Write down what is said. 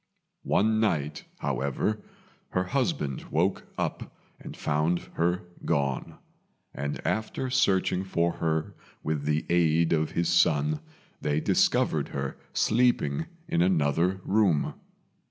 One night, however, her husband woke up and found her gone; and after searching for her with the aid of his son, they discovered her sleeping in another room.